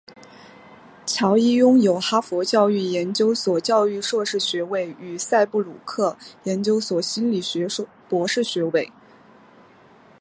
乔伊拥有哈佛教育研究所教育硕士学位与赛布鲁克研究所心理学博士学位。